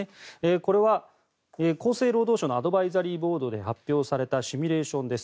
これは厚生労働省のアドバイザリーボードで発表されたシミュレーションです。